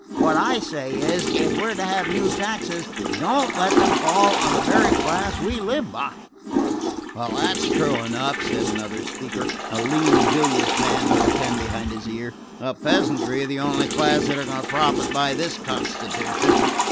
What I say is, if we're to have new taxes, don't let them fall on the very class we live by!" "That's true enough," said another speaker, a lean bilious man with a pen behind his ear. "The peasantry are the only class that are going to profit by this constitution."